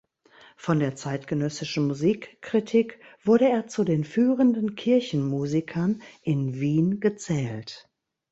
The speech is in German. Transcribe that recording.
Von der zeitgenössischen Musikkritik wurde er zu den führenden Kirchenmusikern in Wien gezählt.